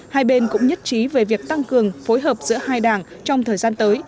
hai bên cũng nhất trí về việc tăng cường phối hợp giữa hai đảng trong thời gian tới